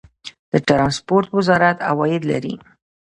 د ټرانسپورټ وزارت عواید لري؟